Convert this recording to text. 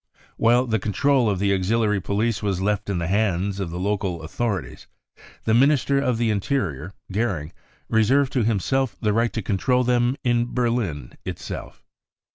While the control of the auxiliary police was left in the hands of the local authorities, the Minister of the Interior, Goering, reserved to himself the right to control them in Berlin itself.